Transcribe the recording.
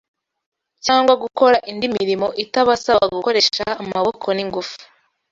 cyangwa gukora indi mirimo itabasaba gukoresha amaboko n’ingufu